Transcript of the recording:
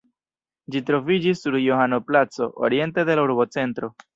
Ĝi troviĝis sur Johano-placo, oriente de la urbocentro.